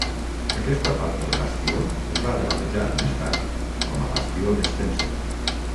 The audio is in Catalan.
Aquesta part del bastió es va rebatejar més tard com a Bastió de Spencer.